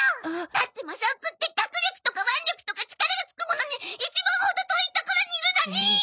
だってマサオくんって「学力」とか「腕力」とか「力」が付くものに一番ほど遠いところにいるのに！